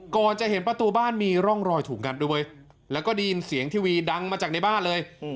ก่อนจะเห็นประตูบ้านมีร่องรอยถูกงัดด้วยเว้ยแล้วก็ได้ยินเสียงทีวีดังมาจากในบ้านเลย